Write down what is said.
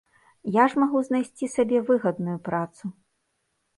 Я ж магу знайсці сабе выгадную працу.